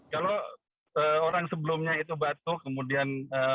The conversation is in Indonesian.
kalau orang sebelumnya itu batuk kemudian